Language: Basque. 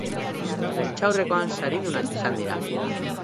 Prentsaurrekoan saridunak izan dira.